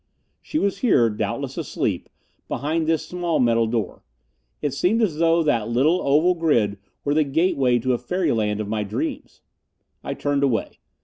She was here, doubtless asleep, behind this small metal door. It seemed as though that little oval grid were the gateway to a fairyland of my dreams. I turned away.